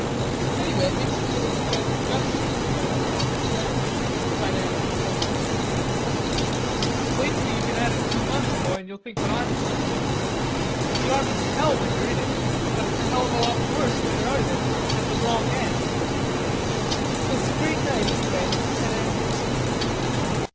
"Anyway, it makes you feel as if you had some guts in you to be out on your own this way," cried Andrews boisterously. "Wait till you've been at it two months, boy, and you'll think what I'm tellin' yer.... The army's hell when you're in it; but it's a hell of a lot worse when you're out of it, at the wrong end." "It's a great night, anyway," said Andrews.